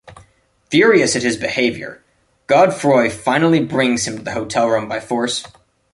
Furious at his behavior, Godefroy finally brings him to the hotel room by force.